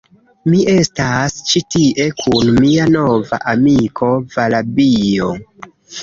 Mi estas ĉi tie kun mia nova amiko, Valabio.